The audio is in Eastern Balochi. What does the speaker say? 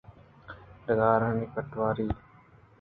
ڈگارانی پٹواری